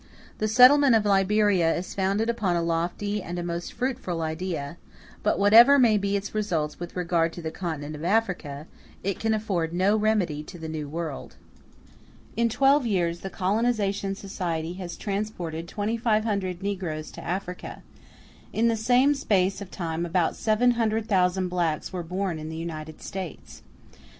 The settlement of Liberia is founded upon a lofty and a most fruitful idea; but whatever may be its results with regard to the Continent of Africa, it can afford no remedy to the New World. In twelve years the Colonization Society has transported 2,500 negroes to Africa; in the same space of time about 700,000 blacks were born in the United States.